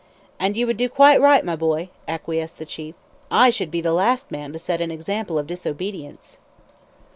"And you would do quite right, my boy!" acquiesced the chief. "I should be the last man to set an example of disobedience."